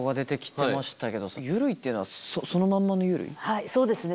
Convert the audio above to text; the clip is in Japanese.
はいそうですね。